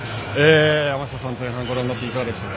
山下さん、前半ご覧になっていかがですか？